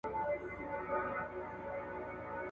ناوړه خواهشات نه پالل کېږي.